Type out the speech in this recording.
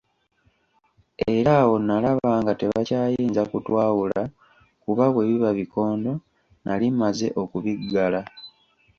Era awo nalaba nga tebakyayinza kutwawula kuba bwe biba bikondo, nali mmaze okubiggala.